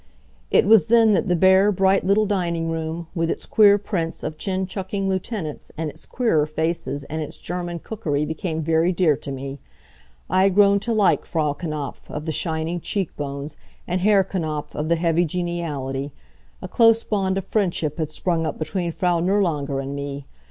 It was then that the bare, bright little dining room, with its queer prints of chin chucking lieutenants, and its queerer faces, and its German cookery became very dear to me. I had grown to like Frau Knapf, of the shining cheek bones, and Herr Knapf, of the heavy geniality. A close bond of friendship had sprung up between Frau Nirlanger and me.